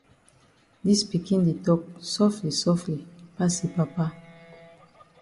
Dis pikin di tok sofli sofli pass yi pa.